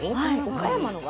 岡山のが？